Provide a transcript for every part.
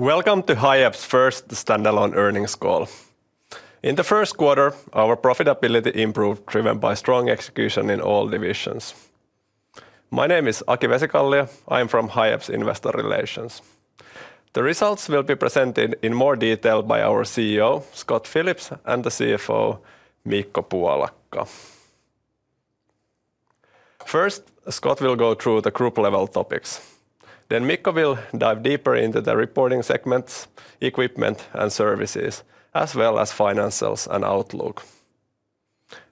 Welcome to Hiab's first standalone earnings call. In the first quarter, our profitability improved, driven by strong execution in all divisions. My name is Aki Vesikallio. I'm from Hiab's Investor Relations. The results will be presented in more detail by our CEO, Scott Phillips, and the CFO, Mikko Puolakka. First, Scott will go through the group-level topics. Mikko will dive deeper into the reporting segments, equipment, and services, as well as financials and outlook.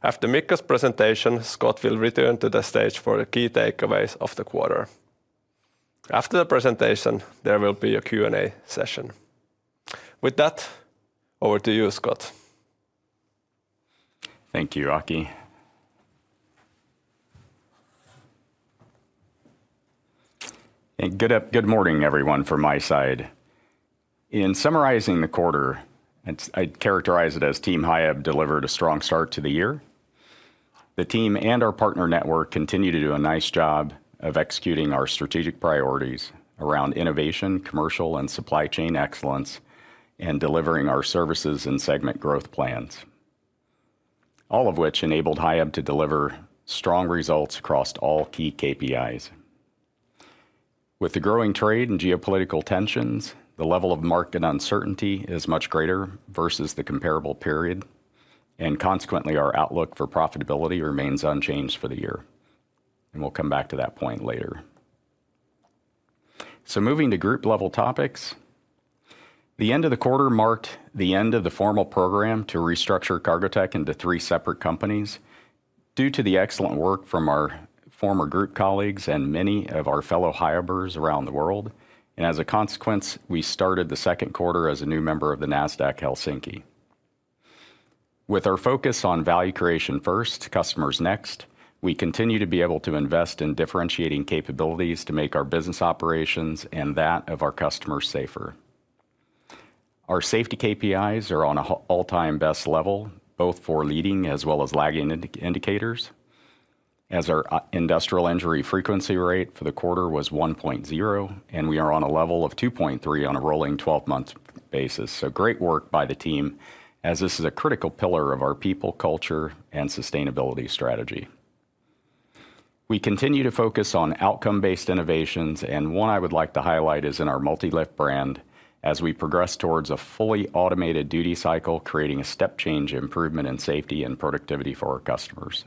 After Mikko's presentation, Scott will return to the stage for the key takeaways of the quarter. After the presentation, there will be a Q&A session. With that, over to you, Scott. Thank you, Aki. Good morning, everyone, from my side. In summarizing the quarter, I'd characterize it as Team Hiab delivered a strong start to the year. The team and our partner network continue to do a nice job of executing our strategic priorities around innovation, commercial, and supply chain excellence, and delivering our services and segment growth plans, all of which enabled Hiab to deliver strong results across all key KPIs. With the growing trade and geopolitical tensions, the level of market uncertainty is much greater versus the comparable period, and consequently, our outlook for profitability remains unchanged for the year. We will come back to that point later. Moving to group-level topics, the end of the quarter marked the end of the formal program to restructure Cargotec into three separate companies due to the excellent work from our former group colleagues and many of our fellow Hiabers around the world. As a consequence, we started the second quarter as a new member of the Nasdaq Helsinki. With our focus on value creation first, customers next, we continue to be able to invest in differentiating capabilities to make our business operations and that of our customers safer. Our safety KPIs are on an all-time best level, both for leading as well as lagging indicators, as our industrial injury frequency rate for the quarter was 1.0, and we are on a level of 2.3 on a rolling 12-month basis. Great work by the team, as this is a critical pillar of our people, culture, and sustainability strategy. We continue to focus on outcome-based innovations, and one I would like to highlight is in our MULTILIFT brand as we progress towards a fully automated duty cycle, creating a step-change improvement in safety and productivity for our customers.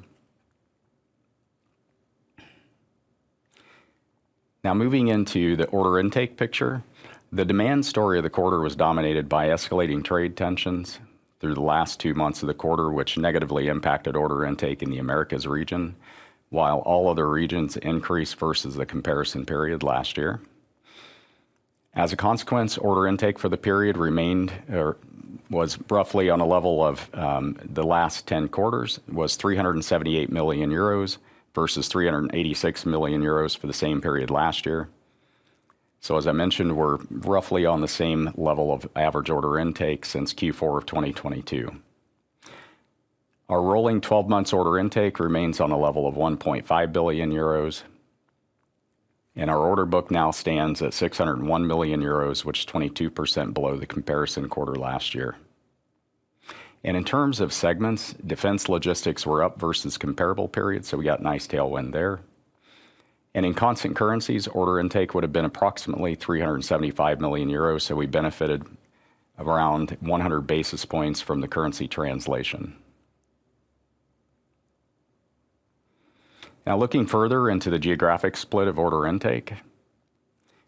Now, moving into the order intake picture, the demand story of the quarter was dominated by escalating trade tensions through the last two months of the quarter, which negatively impacted order intake in the Americas region, while all other regions increased versus the comparison period last year. As a consequence, order intake for the period remained or was roughly on a level of the last 10 quarters, was 378 million euros versus 386 million euros for the same period last year. As I mentioned, we're roughly on the same level of average order intake since Q4 of 2022. Our rolling 12-month order intake remains on a level of 1.5 billion euros, and our order book now stands at 601 million euros, which is 22% below the comparison quarter last year. In terms of segments, defense logistics were up versus comparable period, so we got a nice tailwind there. In constant currencies, order intake would have been approximately 375 million euros, so we benefited around 100 basis points from the currency translation. Now, looking further into the geographic split of order intake,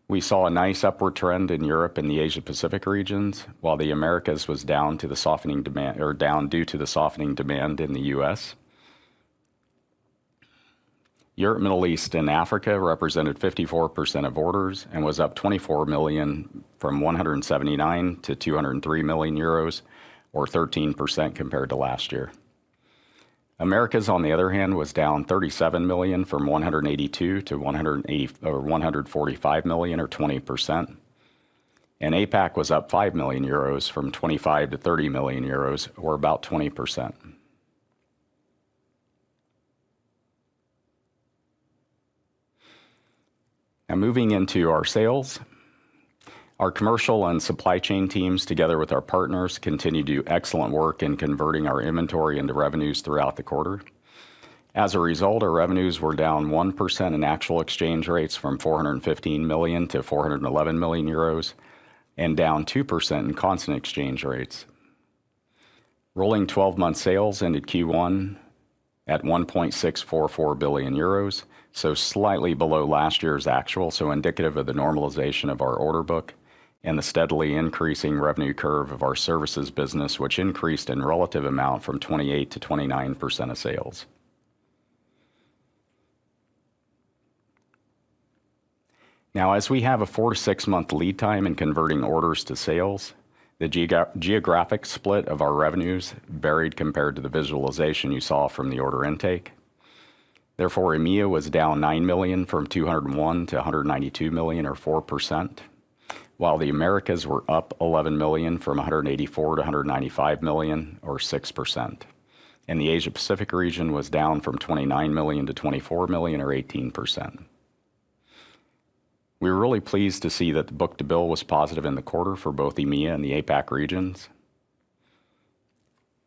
we saw a nice upward trend in Europe and the Asia-Pacific regions, while the Americas was down due to the softening demand in the U.S. Europe, Middle East, and Africa represented 54% of orders and was up 24 million from 179 million to 203 million euros, or 13% compared to last year. Americas, on the other hand, was down 37 million from 182 million to 145 million, or 20%. APAC was up 5 million euros from 25 million to 30 million euros, or about 20%. Now, moving into our sales, our commercial and supply chain teams, together with our partners, continue to do excellent work in converting our inventory into revenues throughout the quarter. As a result, our revenues were down 1% in actual exchange rates from 415 million-411 million euros and down 2% in constant exchange rates. Rolling 12-month sales ended Q1 at 1.644 billion euros, so slightly below last year's actual, so indicative of the normalization of our order book and the steadily increasing revenue curve of our services business, which increased in relative amount from 28%-29% of sales. Now, as we have a 4- to 6 month lead time in converting orders to sales, the geographic split of our revenues varied compared to the visualization you saw from the order intake. Therefore, EMEA was down 9 million from 201 million to 192 million, or 4%, while the Americas were up 11 million from 184 million to 195 million, or 6%. The Asia-Pacific region was down from 29 million-24 million, or 18%. We were really pleased to see that the book-to-bill was positive in the quarter for both EMEA and the APAC regions,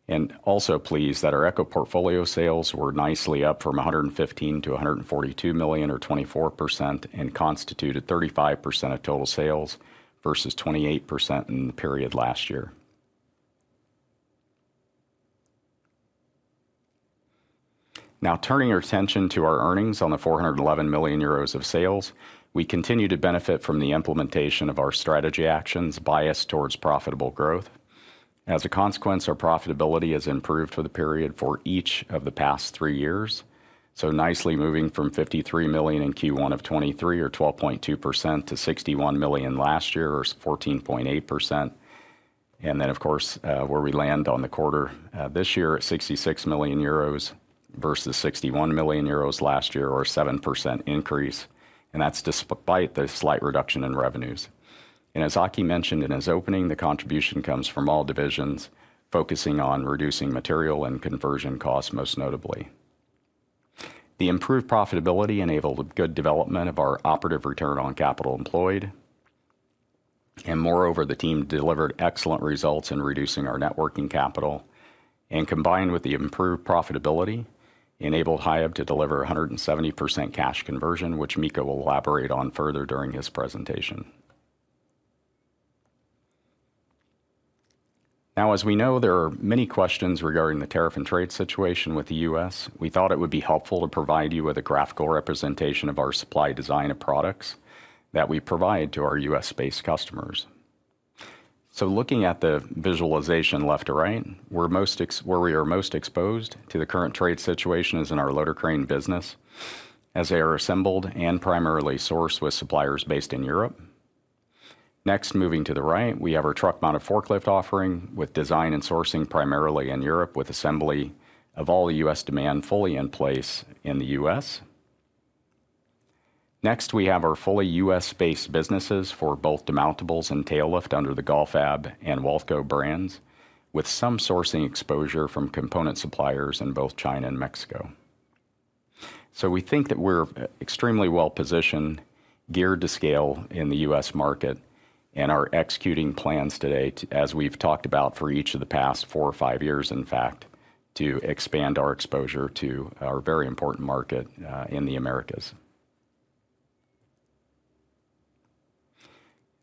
and also pleased that our eco-portfolio sales were nicely up from 115 million-142 million, or 24%, and constituted 35% of total sales versus 28% in the period last year. Now, turning our attention to our earnings on the 411 million euros of sales, we continue to benefit from the implementation of our strategy actions biased towards profitable growth. As a consequence, our profitability has improved for the period for each of the past three years, nicely moving from 53 million in Q1 of 2023, or 12.2%, to 61 million last year, or 14.8%. Of course, where we land on the quarter this year at 66 million euros versus 61 million euros last year, or a 7% increase, that is despite the slight reduction in revenues. As Aki mentioned in his opening, the contribution comes from all divisions, focusing on reducing material and conversion costs, most notably. The improved profitability enabled a good development of our operative return on capital employed, and moreover, the team delivered excellent results in reducing our net working capital. Combined with the improved profitability, it enabled Hiab to deliver 170% cash conversion, which Mikko will elaborate on further during his presentation. Now, as we know, there are many questions regarding the tariff and trade situation with the U.S. We thought it would be helpful to provide you with a graphical representation of our supply design of products that we provide to our U.S.-based customers. Looking at the visualization left to right, where we are most exposed to the current trade situation is in our loader crane business, as they are assembled and primarily sourced with suppliers based in Europe. Next, moving to the right, we have our truck-mounted forklift offering with design and sourcing primarily in Europe, with assembly of all U.S. demand fully in place in the U.S. Next, we have our fully U.S.-based businesses for both demountables and tail lifts under the GALFAB and WALTCO brands, with some sourcing exposure from component suppliers in both China and Mexico. We think that we're extremely well-positioned, geared to scale in the U.S. market, and are executing plans today, as we've talked about for each of the past four or five years, in fact, to expand our exposure to our very important market in the Americas.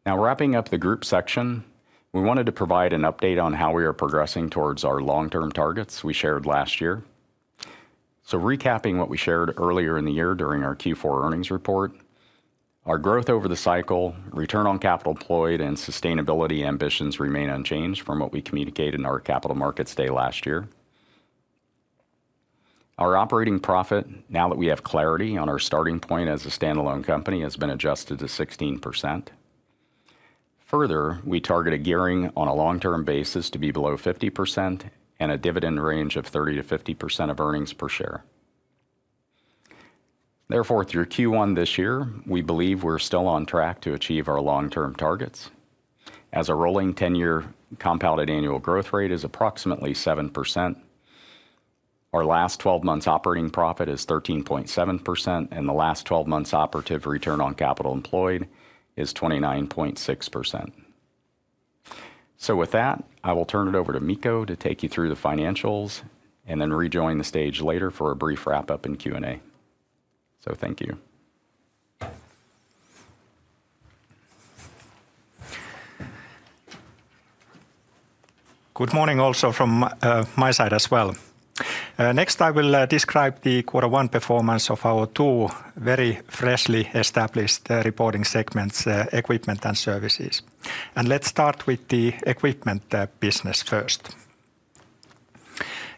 Now, wrapping up the group section, we wanted to provide an update on how we are progressing towards our long-term targets we shared last year. Recapping what we shared earlier in the year during our Q4 earnings report, our growth over the cycle, return on capital employed, and sustainability ambitions remain unchanged from what we communicated in our capital markets day last year. Our operating profit, now that we have clarity on our starting point as a standalone company, has been adjusted to 16%. Further, we target a gearing on a long-term basis to be below 50% and a dividend range of 30%-50% of earnings per share. Therefore, through Q1 this year, we believe we're still on track to achieve our long-term targets, as our rolling 10-year compounded annual growth rate is approximately 7%. Our last 12 months operating profit is 13.7%, and the last 12 months operative return on capital employed is 29.6%. With that, I will turn it over to Mikko to take you through the financials and then rejoin the stage later for a brief wrap-up and Q&A. Thank you. Good morning also from my side as well. Next, I will describe the quarter one performance of our two very freshly established reporting segments, equipment and services. Let's start with the equipment business first.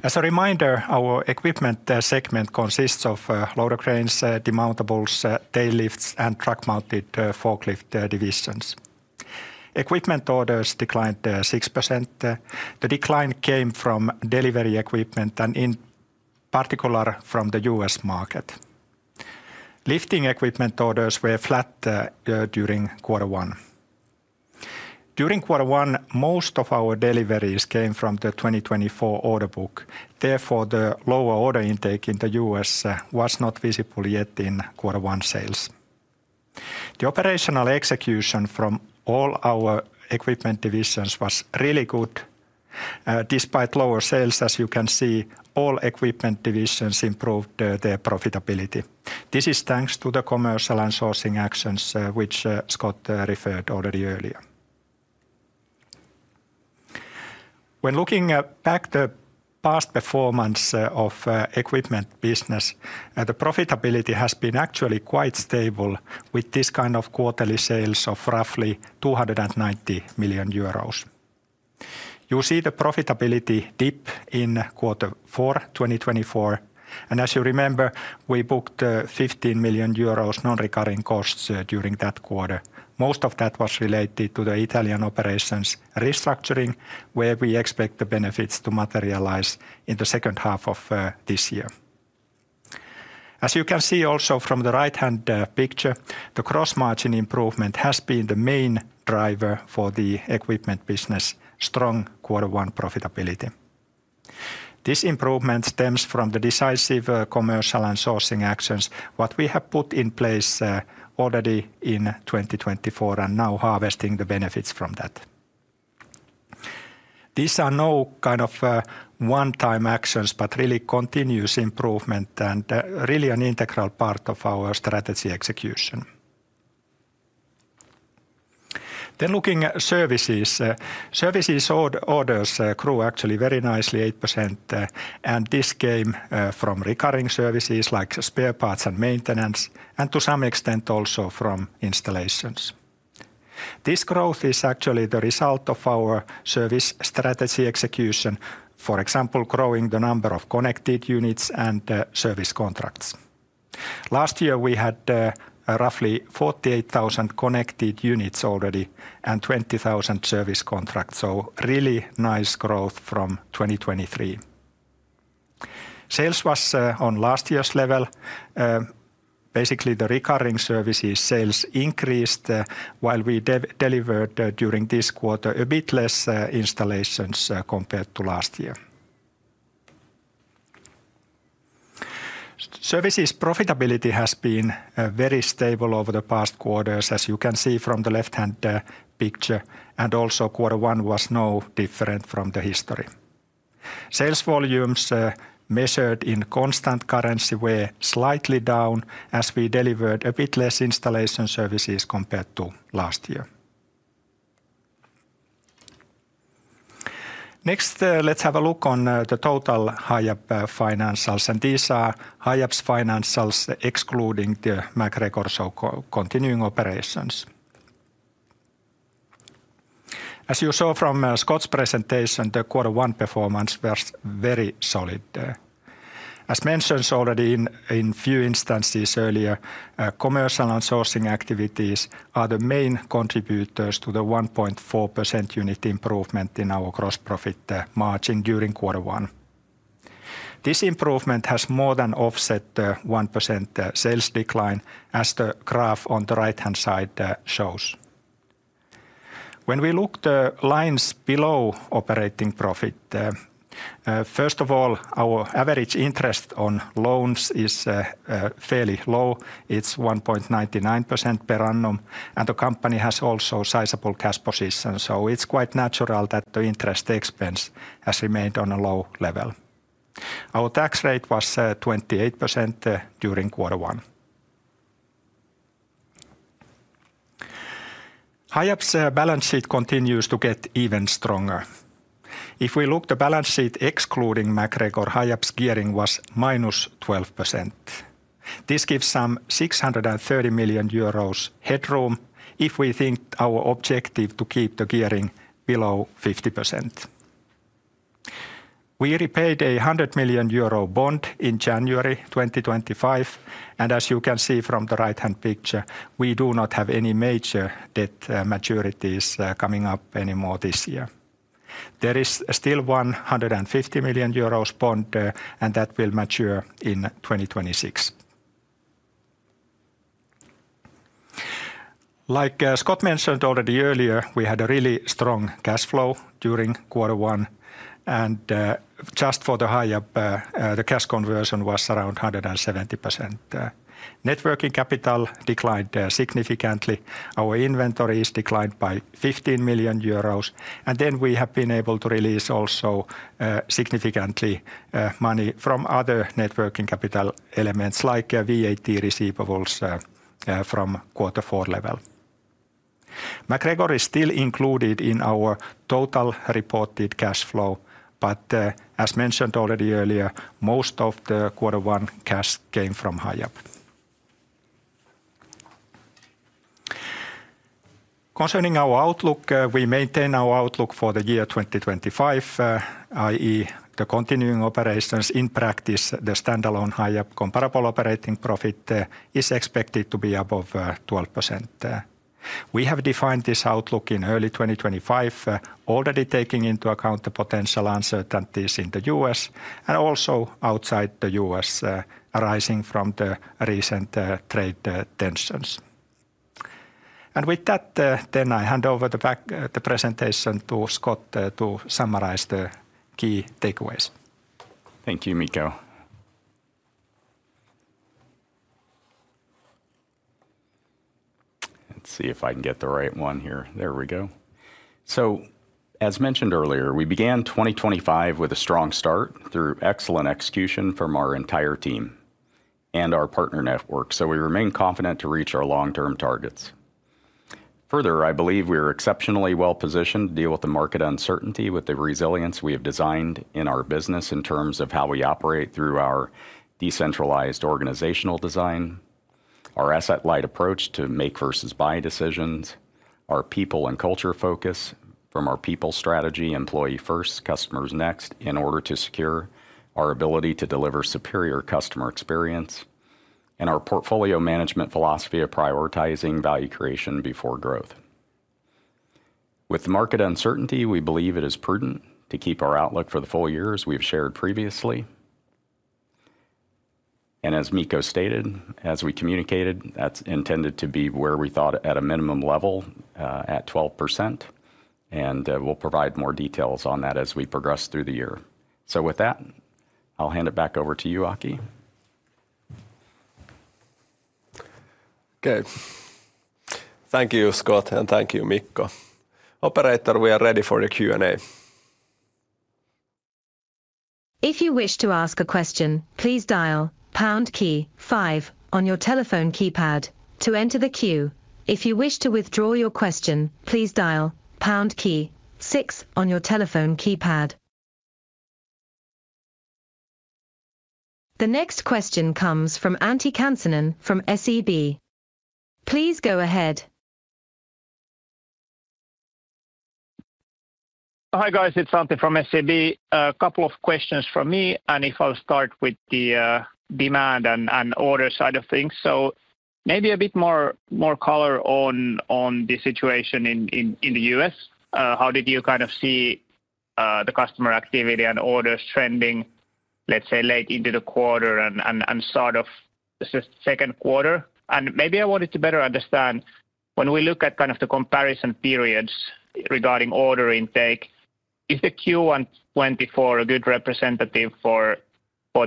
As a reminder, our equipment segment consists of loader cranes, demountables, tail lifts, and truck-mounted forklift divisions. Equipment orders declined 6%. The decline came from delivery equipment and in particular from the U.S. market. Lifting equipment orders were flat during quarter one. During quarter one, most of our deliveries came from the 2024 order book. Therefore, the lower order intake in the U.S. was not visible yet in quarter one sales. The operational execution from all our equipment divisions was really good. Despite lower sales, as you can see, all equipment divisions improved their profitability. This is thanks to the commercial and sourcing actions which Scott referred to already earlier. When looking back at the past performance of the equipment business, the profitability has been actually quite stable with this kind of quarterly sales of roughly 290 million euros. You see the profitability dip in quarter four 2024. As you remember, we booked 15 million euros non-recurring costs during that quarter. Most of that was related to the Italian operations restructuring, where we expect the benefits to materialize in the second half of this year. As you can see also from the right-hand picture, the gross margin improvement has been the main driver for the equipment business's strong quarter one profitability. This improvement stems from the decisive commercial and sourcing actions that we have put in place already in 2024 and now harvesting the benefits from that. These are no kind of one-time actions, but really continuous improvement and really an integral part of our strategy execution. Looking at services, services orders grew actually very nicely, 8%, and this came from recurring services like spare parts and maintenance, and to some extent also from installations. This growth is actually the result of our service strategy execution, for example, growing the number of connected units and service contracts. Last year, we had roughly 48,000 connected units already and 20,000 service contracts, so really nice growth from 2023. Sales was on last year's level. Basically, the recurring services sales increased while we delivered during this quarter a bit less installations compared to last year. Services profitability has been very stable over the past quarters, as you can see from the left-hand picture, and also quarter one was no different from the history. Sales volumes measured in constant currency were slightly down as we delivered a bit less installation services compared to last year. Next, let's have a look on the total Hiab financials, and these are Hiab's financials excluding the MacGregor or continuing operations. As you saw from Scott's presentation, the quarter one performance was very solid. As mentioned already in a few instances earlier, commercial and sourcing activities are the main contributors to the 1.4% unit improvement in our gross profit margin during quarter one. This improvement has more than offset the 1% sales decline as the graph on the right-hand side shows. When we look at the lines below operating profit, first of all, our average interest on loans is fairly low. It's 1.99% per annum, and the company has also sizable cash positions, so it's quite natural that the interest expense has remained on a low level. Our tax rate was 28% during quarter one. Hiab's balance sheet continues to get even stronger. If we look at the balance sheet excluding MacGregor, Hiab's gearing was -12%. This gives some 630 million euros headroom if we think our objective to keep the gearing below 50%. We repaid a 100 million euro bond in January 2025, and as you can see from the right-hand picture, we do not have any major debt maturities coming up anymore this year. There is still a 150 million euros bond, and that will mature in 2026. Like Scott mentioned already earlier, we had a really strong cash flow during quarter one, and just for the Hiab, the cash conversion was around 170%. Net working capital declined significantly. Our inventory has declined by 15 million euros, and then we have been able to release also significantly money from other net working capital elements like VAT receivables from quarter four level. MacGregor is still included in our total reported cash flow, but as mentioned already earlier, most of the Q1 cash came from Hiab. Concerning our outlook, we maintain our outlook for the year 2025, i.e., the continuing operations in practice, the standalone Hiab comparable operating profit is expected to be above 12%. We have defined this outlook in early 2025, already taking into account the potential uncertainties in the U.S. and also outside the U.S. arising from the recent trade tensions. With that, I hand over the presentation to Scott to summarize the key takeaways. Thank you, Mikko. Let's see if I can get the right one here. There we go. As mentioned earlier, we began 2025 with a strong start through excellent execution from our entire team and our partner network, so we remain confident to reach our long-term targets. Further, I believe we are exceptionally well-positioned to deal with the market uncertainty with the resilience we have designed in our business in terms of how we operate through our decentralized organizational design, our asset-light approach to make versus buy decisions, our people and culture focus from our people strategy, employee first, customers next in order to secure our ability to deliver superior customer experience, and our portfolio management philosophy of prioritizing value creation before growth. With the market uncertainty, we believe it is prudent to keep our outlook for the full years we've shared previously. As Mikko stated, as we communicated, that's intended to be where we thought at a minimum level at 12%, and we'll provide more details on that as we progress through the year. With that, I'll hand it back over to you, Aki. Okay. Thank you, Scott, and thank you, Mikko. Operator, we are ready for the Q&A. If you wish to ask a question, please dial pound key five on your telephone keypad to enter the queue. If you wish to withdraw your question, please dial pound key six on your telephone keypad. The next question comes from Antti Kansanen from SEB. Please go ahead. Hi guys, it's Antti from SEB. A couple of questions from me, and if I'll start with the demand and order side of things. Maybe a bit more color on the situation in the U.S. How did you kind of see the customer activity and orders trending, let's say, late into the quarter and sort of the second quarter? I wanted to better understand when we look at kind of the comparison periods regarding order intake, is the Q1 2024 a good representative for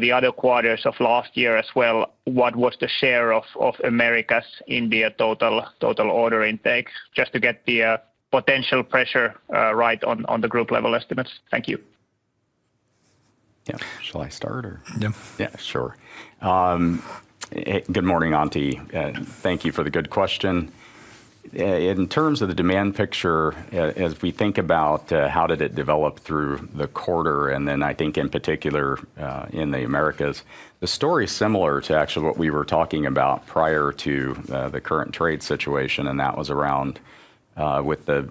the other quarters of last year as well? What was the share of Americas in the total order intake? Just to get the potential pressure right on the group level estimates. Thank you. Yeah. Shall I start or? Yeah. Yeah, sure. Good morning, Antti. Thank you for the good question. In terms of the demand picture, as we think about how did it develop through the quarter, and then I think in particular in the Americas, the story is similar to actually what we were talking about prior to the current trade situation, and that was around with the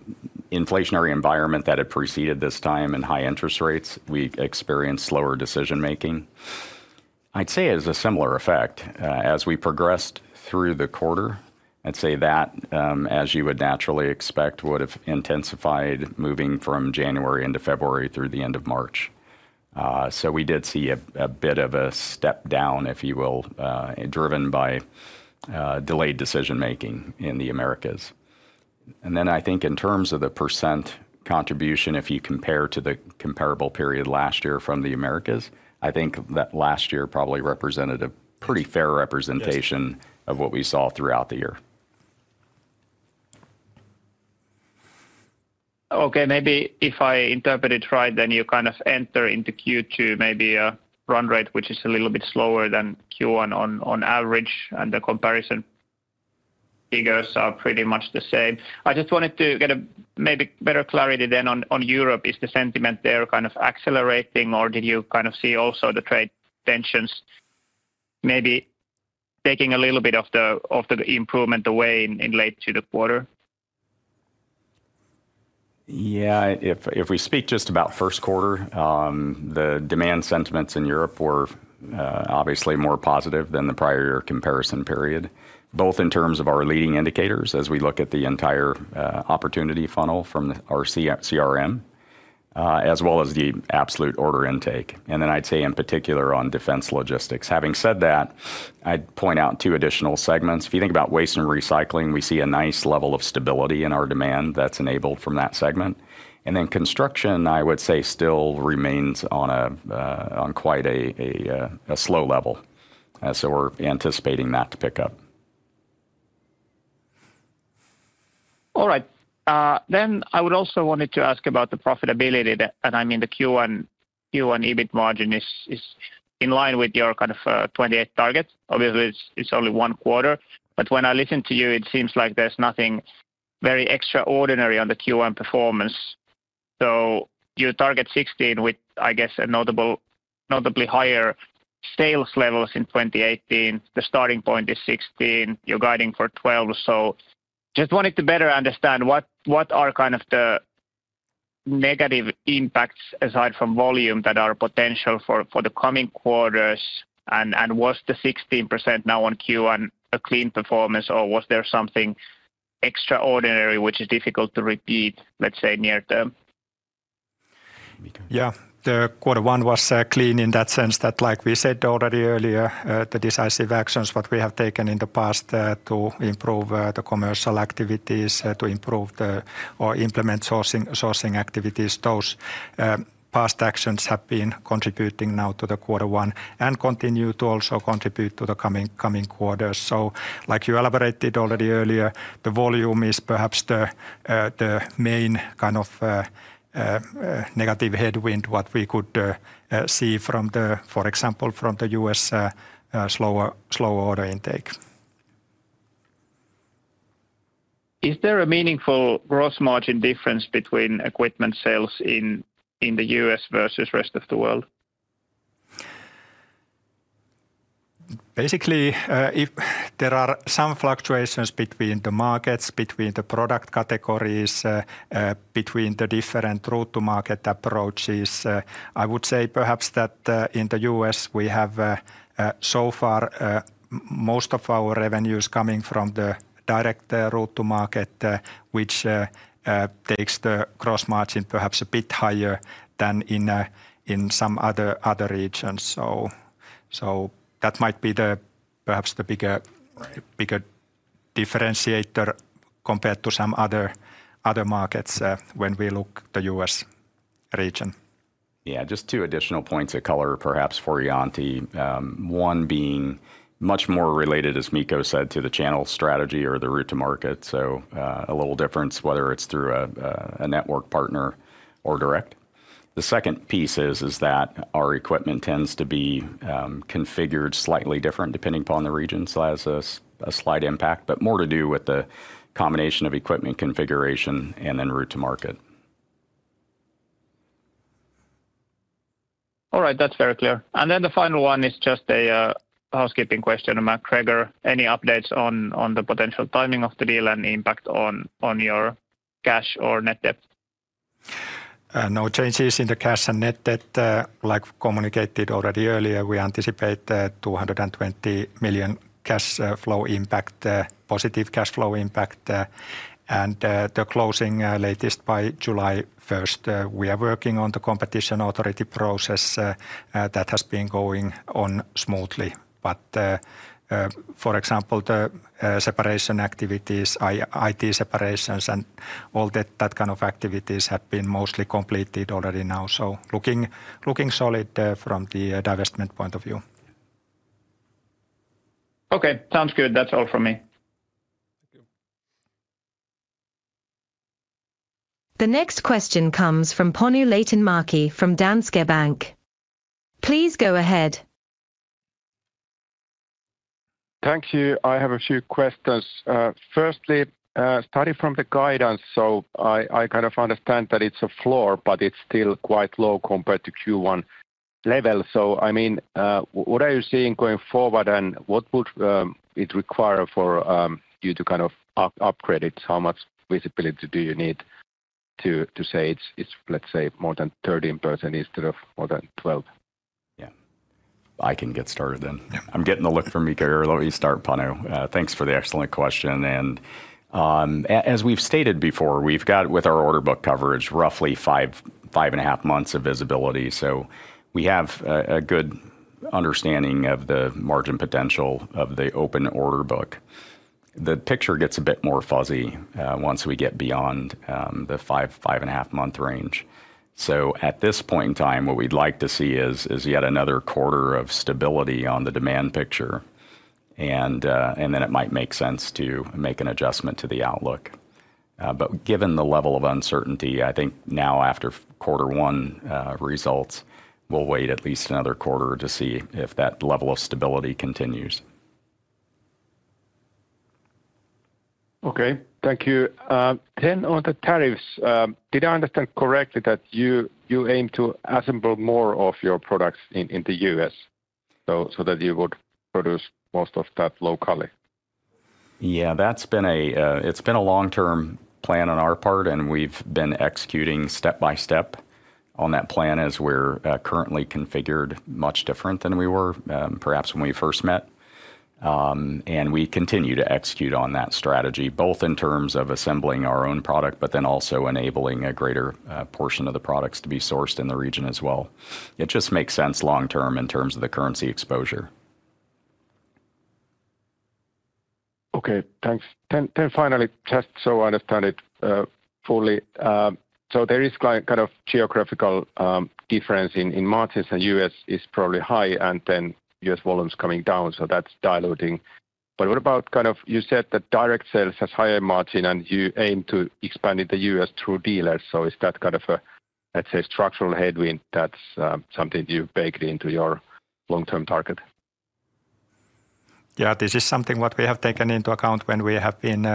inflationary environment that had preceded this time and high interest rates, we experienced slower decision-making. I'd say it was a similar effect as we progressed through the quarter. I'd say that, as you would naturally expect, would have intensified moving from January into February through the end of March. We did see a bit of a step down, if you will, driven by delayed decision-making in the Americas. I think in terms of the percent contribution, if you compare to the comparable period last year from the Americas, I think that last year probably represented a pretty fair representation of what we saw throughout the year. Okay, maybe if I interpret it right, then you kind of enter into Q2 maybe a run rate which is a little bit slower than Q1 on average, and the comparison figures are pretty much the same. I just wanted to get maybe better clarity then on Europe. Is the sentiment there kind of accelerating, or did you kind of see also the trade tensions maybe taking a little bit of the improvement away in late to the quarter? Yeah, if we speak just about first quarter, the demand sentiments in Europe were obviously more positive than the prior year comparison period, both in terms of our leading indicators as we look at the entire opportunity funnel from our CRM, as well as the absolute order intake. I'd say in particular on defense logistics. Having said that, I'd point out two additional segments. If you think about waste and recycling, we see a nice level of stability in our demand that's enabled from that segment. Construction, I would say, still remains on quite a slow level, so we're anticipating that to pick up. All right. Then I would also wanted to ask about the profitability, and I mean the Q1 EBIT margin is in line with your kind of 28 target. Obviously, it's only one quarter, but when I listen to you, it seems like there's nothing very extraordinary on the Q1 performance. You target 16 with, I guess, a notably higher sales levels in 2018. The starting point is 16. You're guiding for 12. Just wanted to better understand what are kind of the negative impacts aside from volume that are potential for the coming quarters, and was the 16% now on Q1 a clean performance, or was there something extraordinary which is difficult to repeat, let's say, near term? Yeah, the quarter one was clean in that sense that, like we said already earlier, the decisive actions that we have taken in the past to improve the commercial activities, to improve or implement sourcing activities, those past actions have been contributing now to the quarter one and continue to also contribute to the coming quarters. Like you elaborated already earlier, the volume is perhaps the main kind of negative headwind what we could see from, for example, from the U.S. slower order intake. Is there a meaningful gross margin difference between equipment sales in the U.S. versus the rest of the world? Basically, there are some fluctuations between the markets, between the product categories, between the different route-to-market approaches. I would say perhaps that in the U.S., we have so far most of our revenues coming from the direct route-to-market, which takes the gross margin perhaps a bit higher than in some other regions. That might be perhaps the bigger differentiator compared to some other markets when we look at the U.S. region. Yeah, just two additional points of color perhaps for you, Antti. One being much more related, as Mikko said, to the channel strategy or the route-to-market, so a little difference whether it's through a network partner or direct. The second piece is that our equipment tends to be configured slightly different depending upon the region, so it has a slight impact, but more to do with the combination of equipment configuration and then route-to-market. All right, that's very clear. The final one is just a housekeeping question. MacGregor, any updates on the potential timing of the deal and impact on your cash or net debt? No changes in the cash and net debt. Like communicated already earlier, we anticipate 220 million cash flow impact, positive cash flow impact, and the closing latest by July 1st. We are working on the competition authority process that has been going on smoothly, but for example, the separation activities, IT separations, and all that kind of activities have been mostly completed already now, so looking solid from the divestment point of view. Okay, sounds good. That's all from me. The next question comes from Panu Laitinmäki from Danske Bank. Please go ahead. Thank you. I have a few questions. Firstly, starting from the guidance, I kind of understand that it's a floor, but it's still quite low compared to Q1 level. I mean, what are you seeing going forward, and what would it require for you to kind of upgrade it? How much visibility do you need to say it's, let's say, more than 13% instead of more than 12%? Yeah, I can get started then. I'm getting the look from Mikko, let me start Panu. Thanks for the excellent question. As we've stated before, we've got with our order book coverage roughly five and a half months of visibility, so we have a good understanding of the margin potential of the open order book. The picture gets a bit more fuzzy once we get beyond the five and a half month range. At this point in time, what we'd like to see is yet another quarter of stability on the demand picture, and it might make sense to make an adjustment to the outlook. Given the level of uncertainty, I think now after quarter one results, we'll wait at least another quarter to see if that level of stability continues. Okay, thank you. On the tariffs, did I understand correctly that you aim to assemble more of your products in the U.S. so that you would produce most of that locally? Yeah, that's been a long-term plan on our part, and we've been executing step by step on that plan as we're currently configured, much different than we were perhaps when we first met. We continue to execute on that strategy, both in terms of assembling our own product, but then also enabling a greater portion of the products to be sourced in the region as well. It just makes sense long-term in terms of the currency exposure. Okay, thanks. Finally, just so I understand it fully, there is kind of geographical difference in margins and U.S. is probably high, and then U.S. volumes coming down, so that's diluting. What about kind of you said that direct sales has higher margin and you aim to expand in the US through dealers, so is that kind of a, let's say, structural headwind that's something you baked into your long-term target? Yeah, this is something what we have taken into account when we have been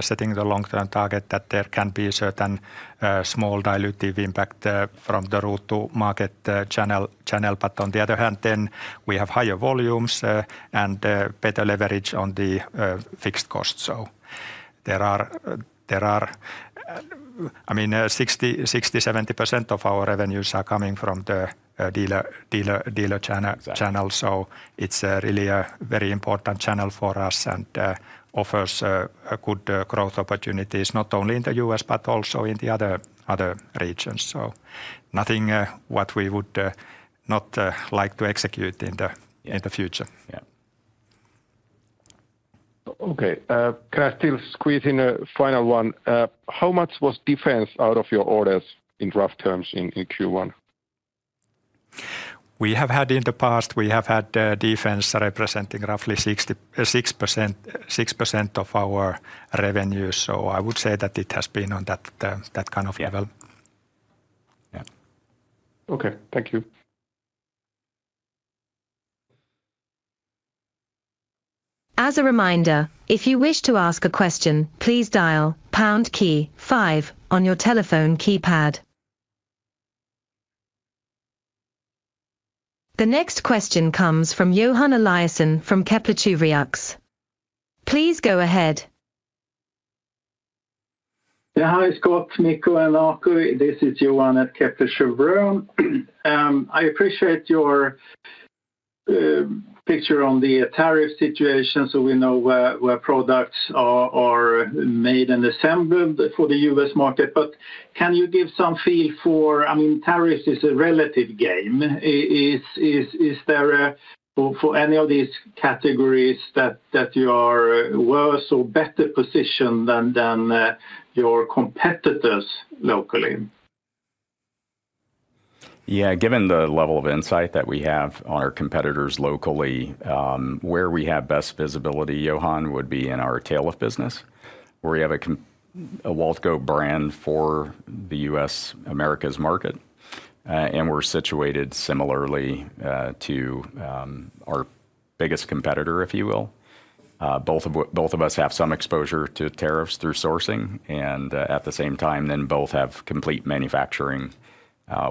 setting the long-term target that there can be certain small dilutive impact from the route-to-market channel, but on the other hand, then we have higher volumes and better leverage on the fixed cost. There are, I mean, 60%-70% of our revenues are coming from the dealer channel, so it's really a very important channel for us and offers good growth opportunities not only in the U.S., but also in the other regions. Nothing what we would not like to execute in the future. Yeah. Okay, can I still squeeze in a final one? How much was defense out of your orders in rough terms in Q1? We have had in the past, we have had defense representing roughly 6% of our revenues, so I would say that it has been on that kind of level. Okay, thank you. As a reminder, if you wish to ask a question, please dial pound key five on your telephone keypad. The next question comes from Johan Eliason from Kepler Cheuvreux. Please go ahead. Yeah, hi Scott, Mikko and Antti. This is Johan at Kepler Cheuvreux. I appreciate your picture on the tariff situation so we know where products are made and assembled for the US market, but can you give some feel for, I mean, tariffs is a relative game. Is there for any of these categories that you are worse or better positioned than your competitors locally? Yeah, given the level of insight that we have on our competitors locally, where we have best visibility, Johan, would be in our tail lift business, where we have a WALTCO brand for the U.S. Americas market, and we're situated similarly to our biggest competitor, if you will. Both of us have some exposure to tariffs through sourcing, and at the same time, then both have complete manufacturing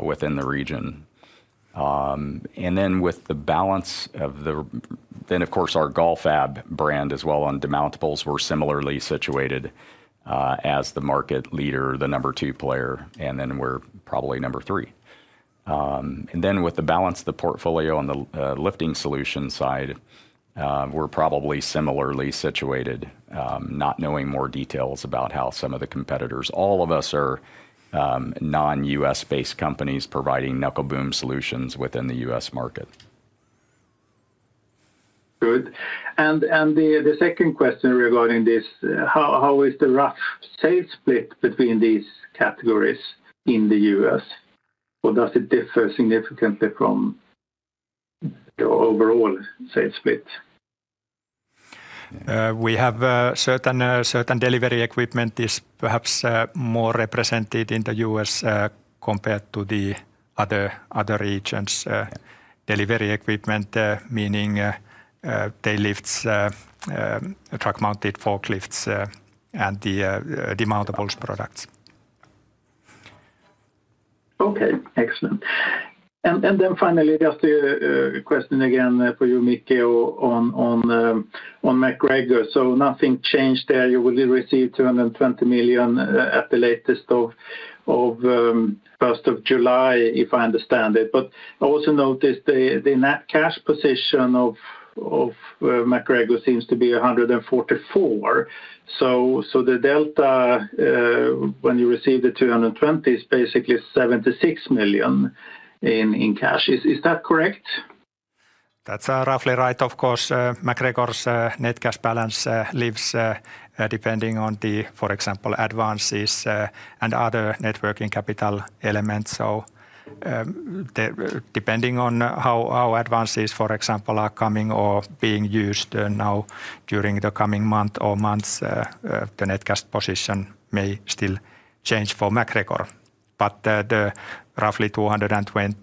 within the region. With the balance of the, then of course our GALFAB brand as well on demountables, we're similarly situated as the market leader, the number two player, and then we're probably number three. With the balance of the portfolio on the lifting solution side, we're probably similarly situated, not knowing more details about how some of the competitors, all of us are non-U.S.-based companies providing knuckle boom solutions within the U.S. market. Good. The second question regarding this, how is the rough sales split between these categories in the U.S.? Or does it differ significantly from the overall sales split? We have certain delivery equipment is perhaps more represented in the U.S. compared to the other regions. Delivery equipment meaning tail lifts, truck mounted forklifts, and the demountables products. Okay, excellent. Finally, just a question again for you, Mikko, on MacGregor. Nothing changed there. You will receive 220 million at the latest on 1st of July, if I understand it. I also noticed the net cash position of MacGregor seems to be 144 million. The delta, when you receive the 220 million, is basically 76 million in cash. Is that correct? That's roughly right, of course. MacGregor's net cash balance lives depending on the, for example, advances and other net working capital elements. Depending on how advances, for example, are coming or being used now during the coming month or months, the net cash position may still change for MacGregor, but the roughly 220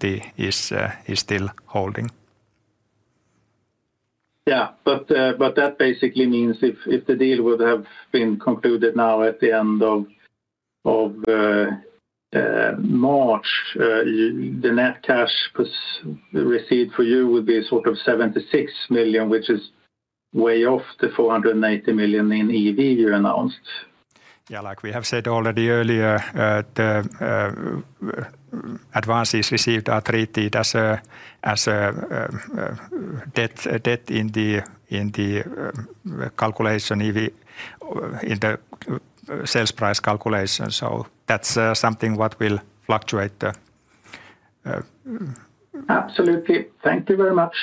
million is still holding. Yeah, but that basically means if the deal would have been concluded now at the end of March, the net cash received for you would be sort of 76 million, which is way off the 480 million in EV you announced. Yeah, like we have said already earlier, the advances received are treated as debt in the calculation, in the sales price calculation. That is something what will fluctuate. Absolutely. Thank you very much.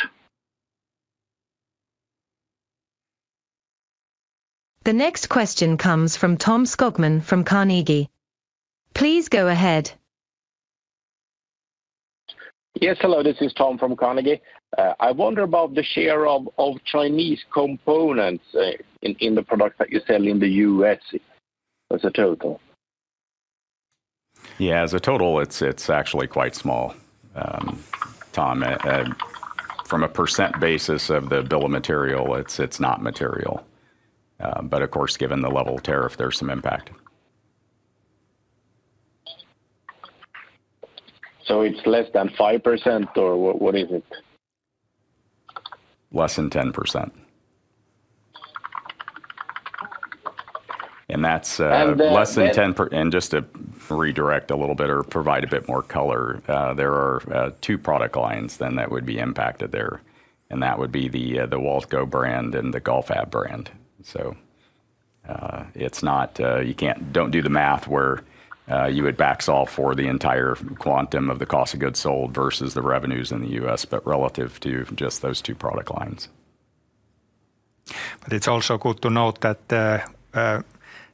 The next question comes from Tom Skogman from Carnegie. Please go ahead. Yes, hello, this is Tom from Carnegie. I wonder about the share of Chinese components in the products that you sell in the U.S. as a total. Yeah, as a total, it's actually quite small. Tom, from a percent basis of the bill of material, it's not material. Of course, given the level of tariff, there's some impact. Is it less than 5% or what is it? Less than 10%. That's less than 10%. Just to redirect a little bit or provide a bit more color, there are two product lines then that would be impacted there, and that would be the WALTCO brand and the GALFAB brand. You do not do the math where you would backstall for the entire quantum of the cost of goods sold versus the revenues in the U.S., but relative to just those two product lines. It is also good to note that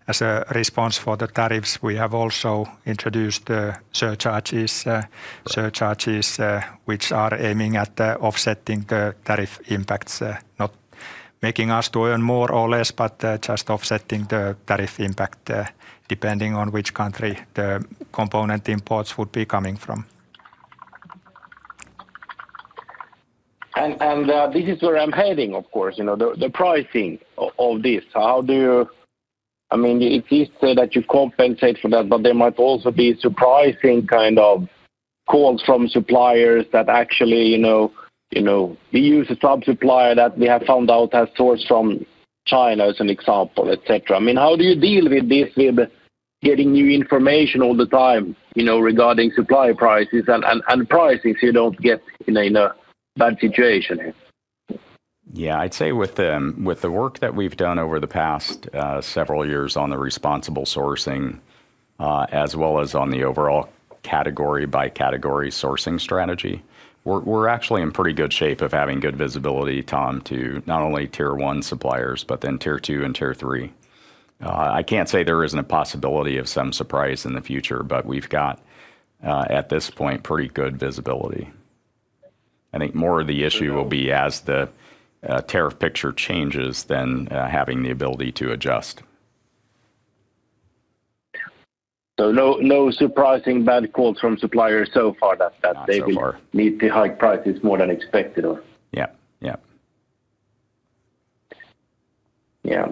as a response to the tariffs, we have also introduced surcharges, which are aiming at offsetting the tariff impacts, not making us earn more or less, but just offsetting the tariff impact depending on which country the component imports would be coming from. This is where I'm heading, of course, the pricing of this. How do you, I mean, it is said that you compensate for that, but there might also be surprising kind of calls from suppliers that actually, you know, we use a sub-supplier that we have found out has sourced from China as an example, etc. I mean, how do you deal with this, with getting new information all the time regarding supply prices and prices you don't get in a bad situation? Yeah, I'd say with the work that we've done over the past several years on the responsible sourcing, as well as on the overall category-by-category sourcing strategy, we're actually in pretty good shape of having good visibility, Tom, to not only tier one suppliers, but then tier two and tier three. I can't say there isn't a possibility of some surprise in the future, but we've got at this point pretty good visibility. I think more of the issue will be as the tariff picture changes than having the ability to adjust. No surprising bad quotes from suppliers so far that they need to hike prices more than expected. Yeah, yeah. Yeah.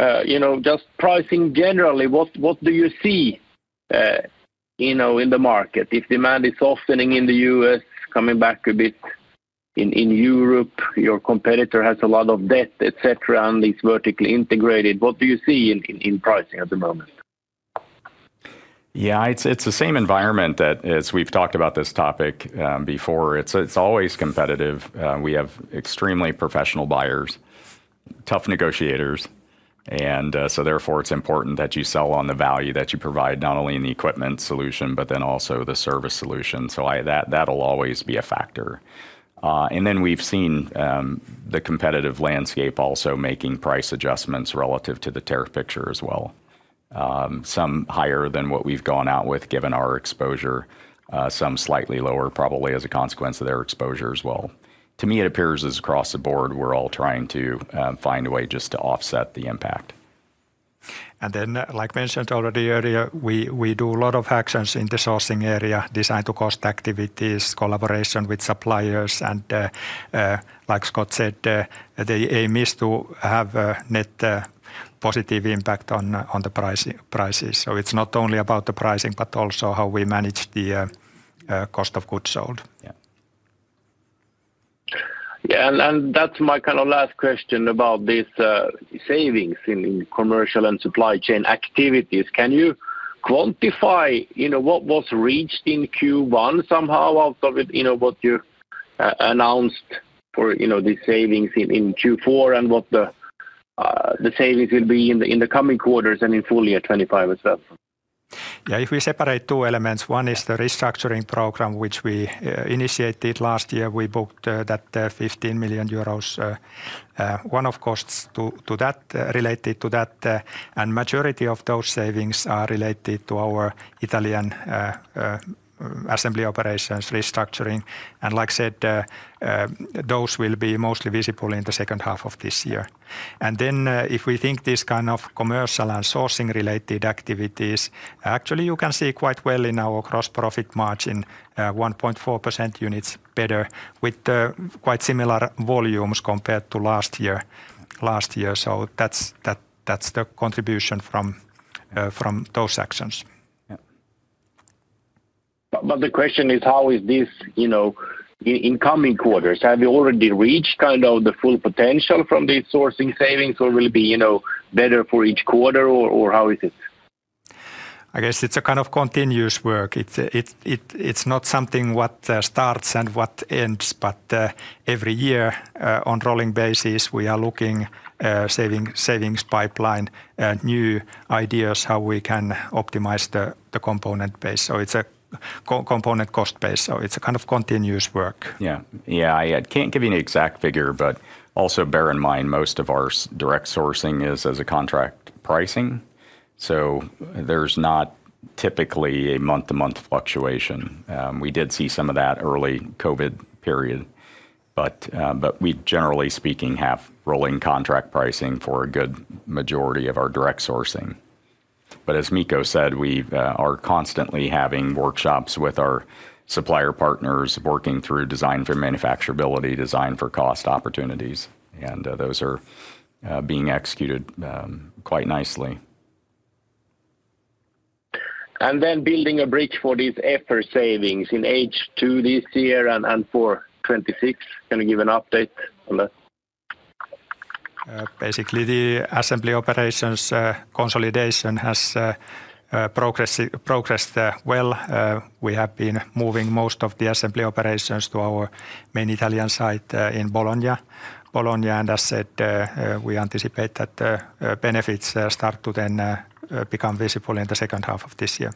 On just pricing generally, what do you see in the market? If demand is softening in the U.S., coming back a bit in Europe, your competitor has a lot of debt, etc., and it's vertically integrated, what do you see in pricing at the moment? Yeah, it's the same environment that as we've talked about this topic before. It's always competitive. We have extremely professional buyers, tough negotiators, and therefore it's important that you sell on the value that you provide, not only in the equipment solution, but then also the service solution. That'll always be a factor. We've seen the competitive landscape also making price adjustments relative to the tariff picture as well. Some higher than what we've gone out with given our exposure, some slightly lower probably as a consequence of their exposure as well. To me, it appears as across the board we're all trying to find a way just to offset the impact. Like mentioned already earlier, we do a lot of actions in the sourcing area, design-to-cost activities, collaboration with suppliers, and like Scott said, the aim is to have a net positive impact on the prices. It is not only about the pricing, but also how we manage the cost of goods sold. Yeah. Yeah, and that's my kind of last question about these savings in commercial and supply chain activities. Can you quantify what was reached in Q1 somehow out of what you announced for these savings in Q4 and what the savings will be in the coming quarters and in full year 2025 as well? Yeah, if we separate two elements, one is the restructuring program which we initiated last year. We booked that 15 million euros, one-off costs to that related to that, and majority of those savings are related to our Italian assembly operations restructuring. Like said, those will be mostly visible in the second half of this year. If we think these kind of commercial and sourcing-related activities, actually you can see quite well in our gross profit margin, 1.4 percentage points better with quite similar volumes compared to last year. That is the contribution from those actions. The question is, how is this in coming quarters? Have we already reached kind of the full potential from these sourcing savings or will it be better for each quarter or how is it? I guess it's a kind of continuous work. It's not something that starts and that ends, but every year on a rolling basis, we are looking at savings pipeline, new ideas how we can optimize the component base. So it's a component cost base. So it's a kind of continuous work. Yeah, yeah, I can't give you an exact figure, but also bear in mind most of our direct sourcing is as a contract pricing. There is not typically a month-to-month fluctuation. We did see some of that early COVID period, but we generally speaking have rolling contract pricing for a good majority of our direct sourcing. As Mikko said, we are constantly having workshops with our supplier partners working through design for manufacturability, design for cost opportunities, and those are being executed quite nicely. Building a bridge for these effort savings in H2 this year and for 2026, can you give an update on that? Basically, the assembly operations consolidation has progressed well. We have been moving most of the assembly operations to our main Italian site in Bologna. Bologna, and as said, we anticipate that benefits start to then become visible in the second half of this year.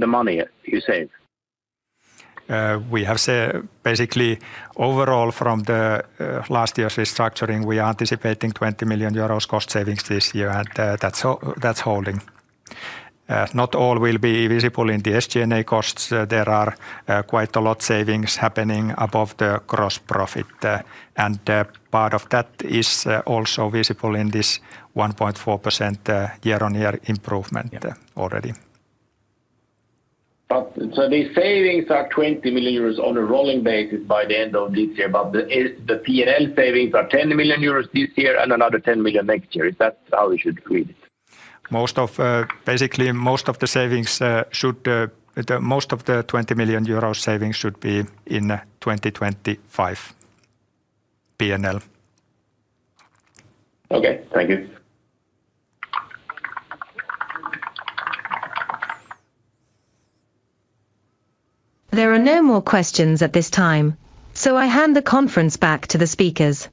The money you save. We have basically overall from last year's restructuring, we are anticipating 20 million euros cost savings this year, and that's holding. Not all will be visible in the SG&A costs. There are quite a lot of savings happening above the gross profit, and part of that is also visible in this 1.4% year-on-year improvement already. These savings are 20 million euros on a rolling basis by the end of this year, but the P&L savings are 10 million euros this year and another 10 million next year. Is that how you should read it? Basically, most of the savings should, most of the 20 million euro savings should be in 2025 P&L. Okay, thank you. There are no more questions at this time, so I hand the conference back to the speakers.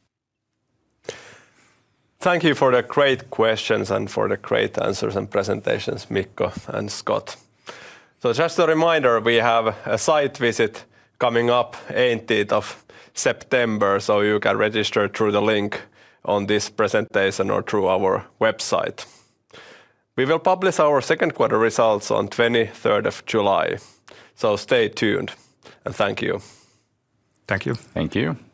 Thank you for the great questions and for the great answers and presentations, Mikko and Scott. Just a reminder, we have a site visit coming up 18th of September, so you can register through the link on this presentation or through our website. We will publish our second quarter results on 23rd of July, so stay tuned and thank you. Thank you. Thank you.